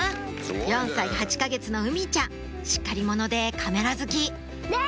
４歳８か月の海美ちゃんしっかり者でカメラ好きねぇ！